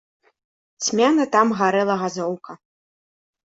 Цьмяна там гарэла газоўка.